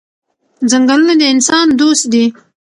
ځنګلونه د انسان دوست دي.